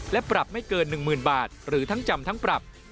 และปรับไม่เกิน๑๐๐๐บาทหรือทั้งจำทั้งปรับ